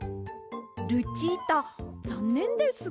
ルチータざんねんです。